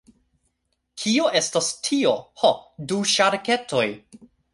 Kio estas tio? Ho, du ŝarketoj.